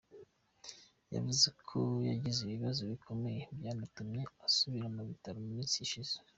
Yavuze ko yagize ibibazo bikomeye byanatumye asubira mu bitaro mu minsi ishize.